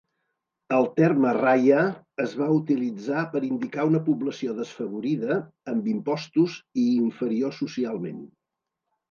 El terme rayah es va utilitzar per indicar una població desfavorida, amb impostos i inferior socialment.